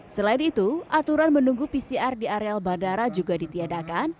selain itu aturan menunggu pcr di areal bandara juga ditiadakan